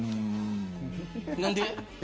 何で。